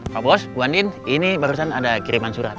pak bos bu andin ini barusan ada kiriman surat